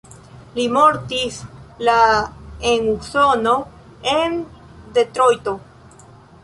Li mortis la en Usono en Detrojto.